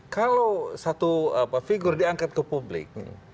kalau satu figur diangkat ke publik